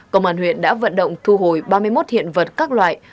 công an huyện đã vận động thu hồi ba mươi một hiện vật các loại